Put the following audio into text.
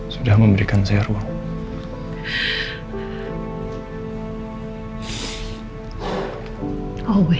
sudah memberikan saya ruang